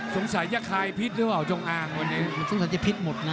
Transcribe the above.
สงสัยยักษ์ใครพิษหรือเปล่าจงอางวันนี้สงสัยจะพิษหมดนะ